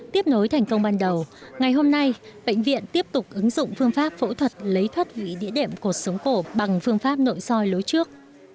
tiếp nối thành công ban đầu ngày hôm nay bệnh viện tiếp tục ứng dụng phương pháp phẫu thuật lấy thoát vị địa đệm cột sống cổ bằng phương pháp nội soi lối trước